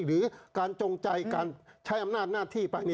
หรือการจงใจการใช้อำนาจหน้าที่ไป